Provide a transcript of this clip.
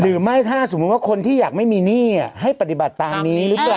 หรือไม่ถ้าสมมุติว่าคนที่อยากไม่มีหนี้ให้ปฏิบัติตามนี้หรือเปล่า